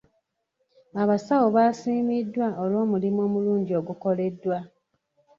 Abasawo baasiimiddwa olw'omulimu omulungi ogukoleddwa.